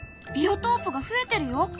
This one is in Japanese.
ビオトープが増えてるよ！